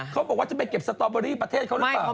เขาบอกว่าจะไปเก็บสตอเบอรี่ประเทศเขาหรือเปล่า